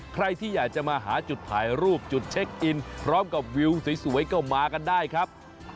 ใครที่อยากจะมาหาจุดถ่ายรูปจุดเช็คอินพร้อมกับวิวสวยก็มากันได้ครับ